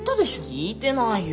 聞いてないよ！